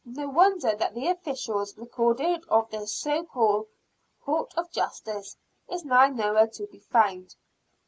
No wonder that the official record of this co called court of justice is now nowhere to be found.